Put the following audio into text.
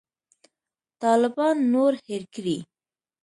طالبان نور هېر کړي.